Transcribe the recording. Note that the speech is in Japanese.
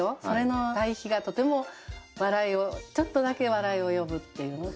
それの対比がとても笑いをちょっとだけ笑いを呼ぶっていう。